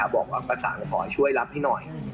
บอกว่าประสานขอช่วยรับให้หน่อย